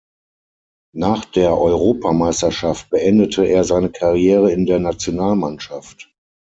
Nach der Europameisterschaft beendete er seine Karriere in der Nationalmannschaft.